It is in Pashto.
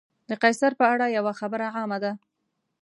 د قیصر په اړه یوه خبره عامه ده.